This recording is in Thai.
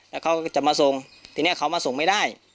แล้วเขาก็จะมาส่งทีนี้เขามาส่งไม่ได้